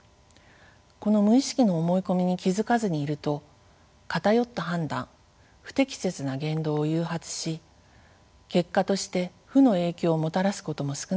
この無意識の思い込みに気付かずにいると偏った判断不適切な言動を誘発し結果として負の影響をもたらすことも少なくありません。